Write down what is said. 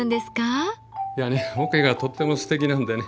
いやね桶がとってもすてきなんでね